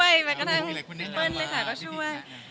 มีหลายคนได้นำมาพี่เบิร์ดเลยค่ะก็ช่วย